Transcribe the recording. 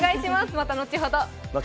また後ほど。